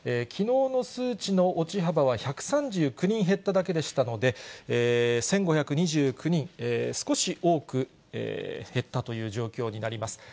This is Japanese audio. きのうの数値の落ち幅は１３９人減っただけでしたので、１５２９人、少し多く減ったという状況になります。